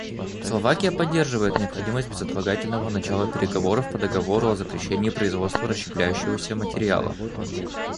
Словакия поддерживает необходимость безотлагательного начала переговоров по договору о запрещении производства расщепляющегося материала.